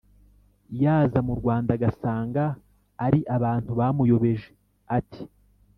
yaza mu rwanda agasanga ari abantu bamuyobeje. ati: